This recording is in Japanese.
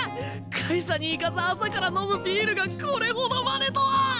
会社に行かず朝から飲むビールがこれほどまでとは！